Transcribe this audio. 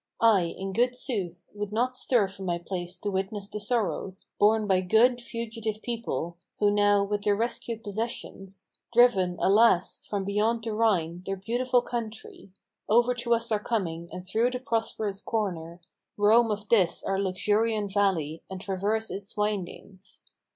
I, in good sooth, would not stir from my place to witness the sorrows Borne by good, fugitive people, who now, with their rescued possessions, Driven, alas! from beyond the Rhine, their beautiful country, Over to us are coming, and through the prosperous corner Roam of this our luxuriant valley, and traverse its windings.